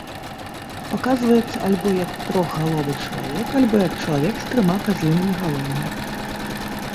Паказваецца альбо як трохгаловы чалавек, альбо як чалавек з трыма казлінымі галовамі.